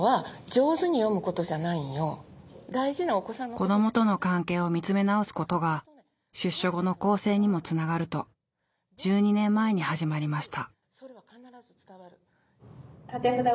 子どもとの関係を見つめ直すことが出所後の更生にもつながると１２年前に始まりました。